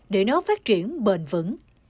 để nó phát triển bền vững